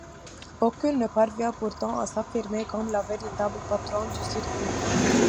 Aucune ne parvient pourtant à s'affirmer comme la véritable patronne du circuit.